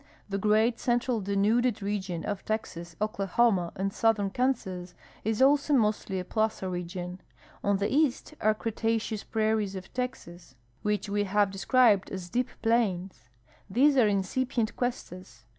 The great Central Denuded region of Texas, Oklahoma, and southern Kansas is also mostly a plaza region. On the east are Cretaceous prairies of Texas, which w'e have described as dip plains; these are incipient cuestas.